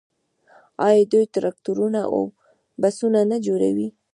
آیا دوی ټراکټورونه او بسونه نه جوړوي؟